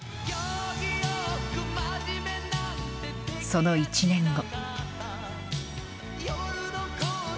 その１年後。